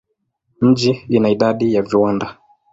Mji ina idadi ya viwanda.